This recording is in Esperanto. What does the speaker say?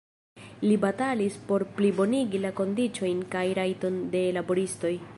Li batalis por plibonigi la kondiĉojn kaj rajtojn de laboristoj.